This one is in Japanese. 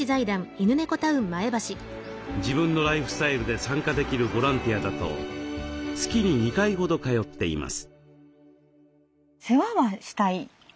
自分のライフスタイルで参加できるボランティアだと月に２回ほど通っています。